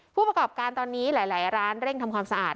ผู้ประกอบการตอนนี้หลายร้านเร่งทำความสะอาด